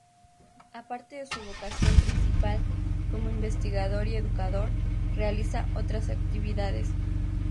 Aparte de su vocación principal como investigador y educador, realiza otras actividades.